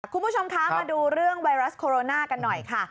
คุณผู้ชมคะมาดูเรื่องไวรัสโคโรนากันหน่อยค่ะ